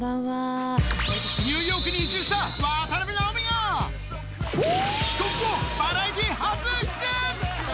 ニューヨークに移住した渡辺直美が、帰国後、バラエティー初出演。